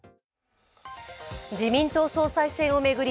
自民党総裁選を巡り